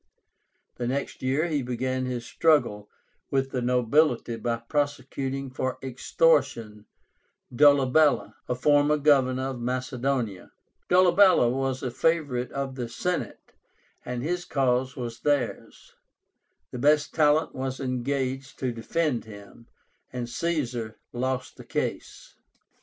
The next year he began his struggle with the nobility by prosecuting for extortion Dolabella, a former Governor of Macedonia. Dolabella was a favorite of the Senate, and his cause was theirs. The best talent was engaged to defend him, and Caesar lost the case.